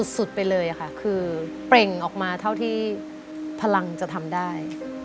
สุดไปเลยค่ะคือเปล่งออกมาเท่าที่พลังจะทำได้